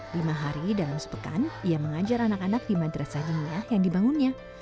lima hari dalam sepekan ia mengajar anak anak di madrasah dinia yang dibangunnya